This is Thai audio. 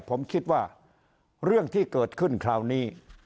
ผมคิดว่าเรื่องที่เกิดขึ้นคราวนี้